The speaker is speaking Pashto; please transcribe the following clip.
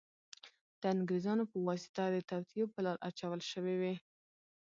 د انګریزانو په واسطه د توطیو په لار اچول شوې وې.